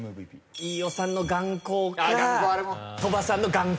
飯尾さんの眼光か鳥羽さんの眼光。